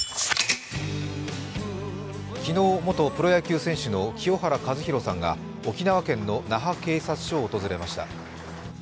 昨日、元プロ野球選手の清原和博さんが沖縄県の那覇警察署を訪れました。